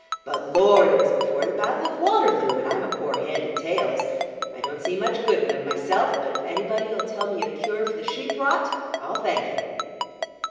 But, Lord! it was before the battle of Waterloo, and I'm a poor hand at tales; I don't see much good in 'em myself but if anybody'll tell me a cure for the sheep rot, I'll thank him."